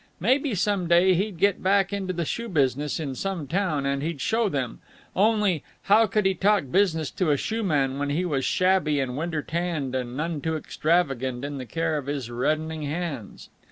Maybe some day he'd get back into the shoe business in some town, and he'd show them only, how could he talk business to a shoeman when he was shabby and winter tanned and none too extravagant in the care of his reddening hands?